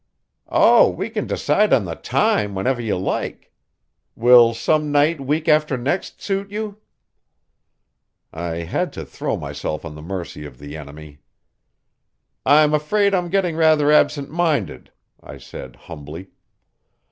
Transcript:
"Oh, we can decide on the time whenever you like. Will some night week after next suit you?" I had to throw myself on the mercy of the enemy. "I'm afraid I'm getting rather absent minded," I said humbly.